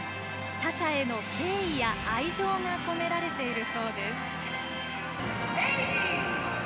他者への敬意や愛情が込められているそうです。